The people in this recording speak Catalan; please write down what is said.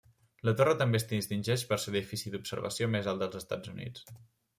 La torre també es distingeix per ser l'edifici d'observació més alt dels Estats Units.